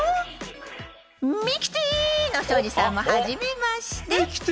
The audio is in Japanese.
「ミキティー！」の庄司さんもはじめまして。